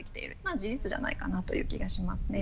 事実じゃないかなという気がしますね。